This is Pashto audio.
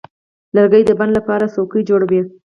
لرګی د بڼ لپاره څوکۍ جوړوي.